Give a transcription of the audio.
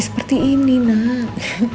seperti ini nak